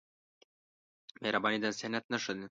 مهرباني د انسانیت نښه ده.